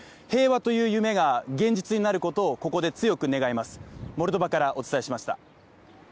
平和という夢が現実になることをここで強く願います。